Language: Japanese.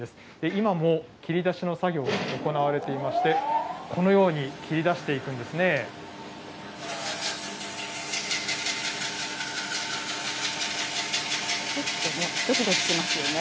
今も切り出しの作業が行われていまして、このように切り出していちょっとね、どきどきしますよね。